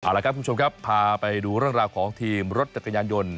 เอาละครับคุณผู้ชมครับพาไปดูเรื่องราวของทีมรถจักรยานยนต์